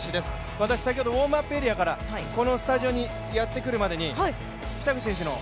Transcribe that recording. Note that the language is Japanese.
私、先ほどウォームアップエリアからこのスタジオにやってくるまでの間